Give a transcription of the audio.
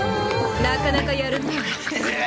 なかなかやるなぁ。